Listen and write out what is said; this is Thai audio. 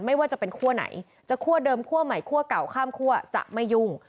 ไม่ว่าจะเป็นคั่วไหนจะคั่วเดิมคั่วใหม่คั่วเก่าข้ามคั่วจะไม่ยุ่ง